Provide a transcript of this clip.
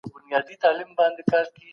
تاسي ولي د خپل هیواد په تاریخ کي شک کړی؟